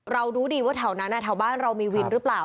รู้ดีว่าแถวนั้นแถวบ้านเรามีวินหรือเปล่า